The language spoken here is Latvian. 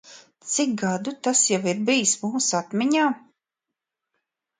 Cik gadu tas jau ir bijis mūsu atmiņā?